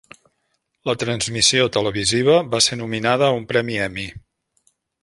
La transmissió televisiva va ser nominada a un premi Emmy.